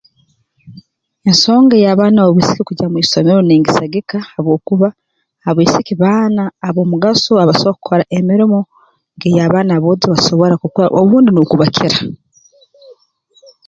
Ensonga ey'abaana b'obwisiki kugya mu isomero ningisagika habwokuba abaisiki baana ab'omugaso abaso kukora emirimo nk'ey'abaana aboojo basobora kukora obundi n'okubakira